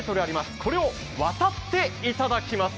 これを渡っていただきます。